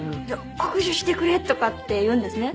「握手してくれ」とかって言うんですね。